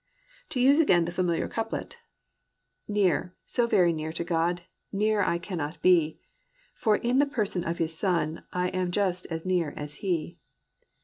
To use again the familiar couplet: "Near, so very near to God, Nearer I cannot be; For in the person of His Son, I am just as near as He.